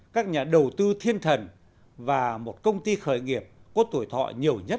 các nhà đầu tư thiên thần và một công ty khởi nghiệp có tuổi thọ nhiều nhất